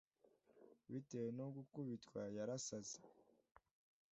Bitewe no gukubitwa, yarasaze.